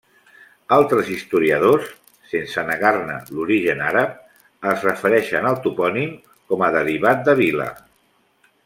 Altres historiadors -sense negar-ne l'origen àrab- es refereixen al topònim com a derivat de vila.